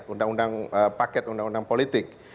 undang undang paket undang undang politik